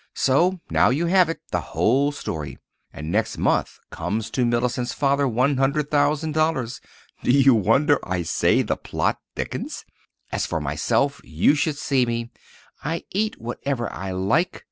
So now you have it—the whole story. And next month comes to Mellicent's father one hundred thousand dollars. Do you wonder I say the plot thickens? As for myself—you should see me! I eat whatever I like.